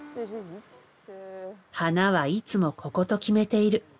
花はいつもここと決めている。